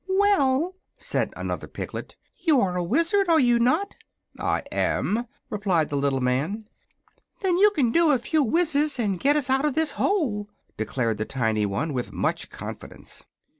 "Well," said another piglet, "you are a wizard, are you not?" "I am," replied the little man. "Then you can do a few wizzes and get us out of this hole," declared the tiny one, with much confidence.